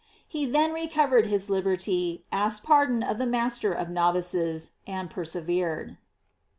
He then recovered his liberty, asked pardon of the master of novices, and persevered.